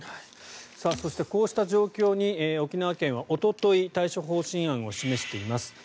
そして、こうした状況に沖縄県はおととい対処方針案を示しています。